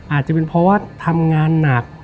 อาจจะเป็นเพราะว่าทำงานหนัก